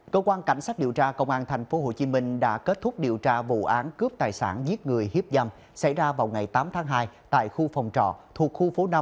cơ quan cảnh sát điều tra công an tp hcm đã kết thúc điều tra vụ án cướp tài sản giết người hiếp dâm xảy ra vào ngày tám tháng hai tại khu phòng trọ thuộc khu phố năm